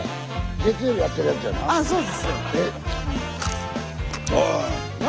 月曜日やってるやつやな？